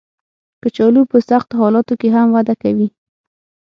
کچالو په سختو حالاتو کې هم وده کوي